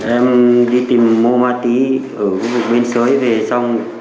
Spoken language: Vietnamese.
em đi tìm mua ma túi ở khu vực bên xới về xong